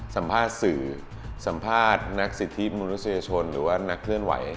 สัมภาษณ์สื่อสัมภาษณ์นักสิทธิมนุษยชนหรือว่านักเคลื่อนไหว